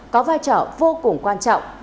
có vai trò vô cùng quan trọng